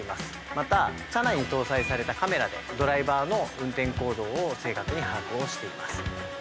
また車内に搭載されたカメラでドライバーの運転行動を正確に把握をしています。